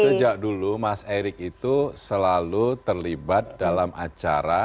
sejak dulu mas erick itu selalu terlibat dalam acara